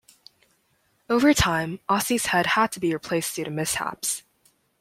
Over time, Ossie's head had to be replaced due to mishaps.